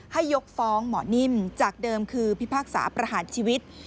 ยกฟ้องหมอนิ่มจากเดิมคือพิพากษาประหารชีวิต